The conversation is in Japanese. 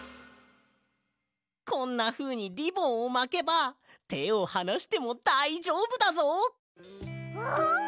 こんなふうにリボンをまけばてをはなしてもだいじょうぶだぞ。